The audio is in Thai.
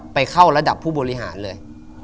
เข้าระดับผู้บริหารเลย